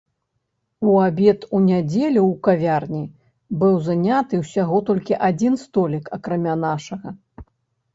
У абед у нядзелю ў кавярні быў заняты ўсяго толькі адзін столік, акрамя нашага.